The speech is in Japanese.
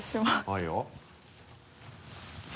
はいよ。